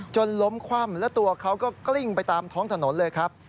จนล้มคว่ำและตัวเขาก็กลิ้งไปตามท้องถนนเลยครับ